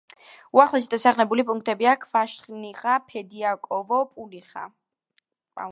უახლოესი დასახლებული პუნქტებია: კვაშნიხა, ფედიაკოვო, პაუნიხა.